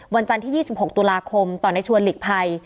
จันทร์ที่๒๖ตุลาคมต่อในชวนหลีกภัย